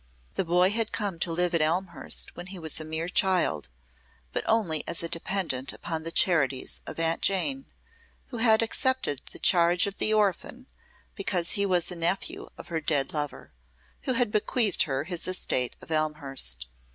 The boy had come to live at Elmhurst when he was a mere child, but only as a dependent upon the charities of Aunt Jane, who had accepted the charge of the orphan because he was a nephew of her dead lover, who had bequeathed her his estate of Elmhurst.